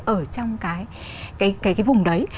ở trong cái vùng đấy